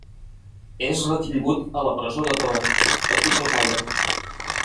És retingut a la presó de Tora, al sud del Caire.